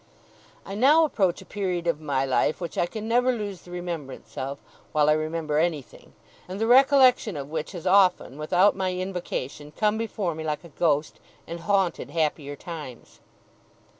I now approach a period of my life, which I can never lose the remembrance of, while I remember anything: and the recollection of which has often, without my invocation, come before me like a ghost, and haunted happier times.